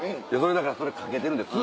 だからそれかけてるんです